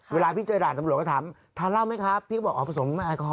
เวลาพี่เจยด่านตำรวจก็ถามทานเล่าไหมครับพี่ก็บอกอ๋อประสงค์ไม่มีไม่อายคอ